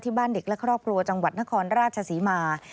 บ้านเด็กและครอบครัวจังหวัดนครราชศรีมา